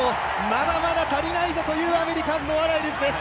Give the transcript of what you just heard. まだたまだ足りないぞというアメリカ、ノア・ライルズです。